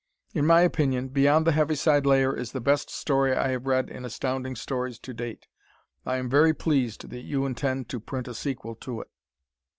In my opinion "Beyond the Heaviside Layer" is the best story I have read in Astounding Stories to date. I am very pleased that you intend to print a sequel to it.